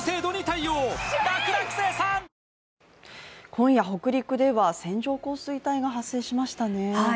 今夜、北陸では線状降水帯が発生しましたね。